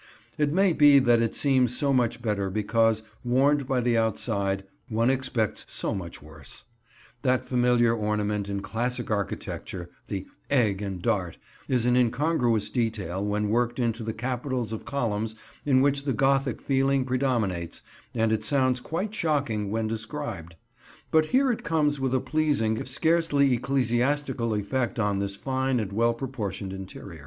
It may be that it seems so much better because, warned by the outside, one expects so much worse. That familiar ornament in classic architecture, the "egg and dart," is an incongruous detail when worked into the capitals of columns in which the Gothic feeling predominates, and it sounds quite shocking when described; but here it comes with a pleasing, if scarcely ecclesiastical effect in this fine and well proportioned interior.